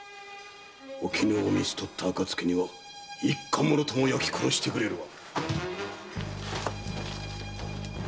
おきぬを召し捕った暁には一家もろとも焼き殺してくれるわ！